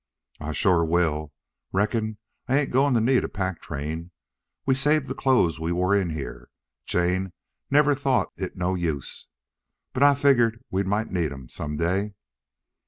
"I shore will. Reckon I ain't a goin' to need a pack train. We saved the clothes we wore in here. Jane never thought it no use. But I figgered we might need them some day.